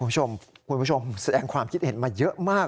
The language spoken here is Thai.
คุณผู้ชมคุณผู้ชมแสดงความคิดเห็นมาเยอะมาก